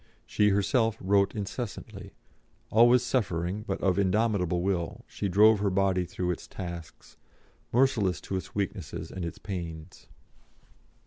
She herself wrote incessantly; always suffering, but of indomitable will, she drove her body through its tasks, merciless to its weaknesses and its pains.